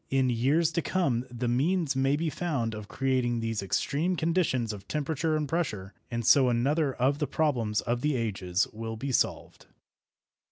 In years to come the means may be found of creating these extreme conditions of temperature and pressure, and so another of the problems of the ages will be solved.